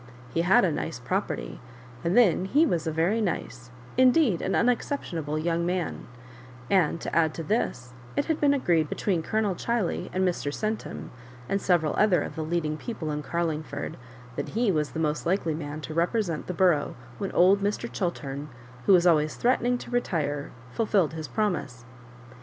He had a nice property, and then he was a very nice, indeed an unex ceptionable young man ; and to add to this, it had been agreed between Colonel Chiley and Mr. Centum, and several other of the leading people in Carlingford, that he was the most likely man to represent the borough when old Mr. Chiltern, who was always threatening to retire, fulfilled his promise.